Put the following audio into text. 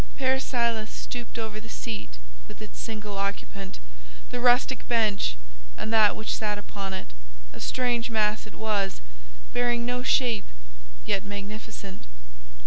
Père Silas stooped over the seat with its single occupant, the rustic bench and that which sat upon it: a strange mass it was—bearing no shape, yet magnificent.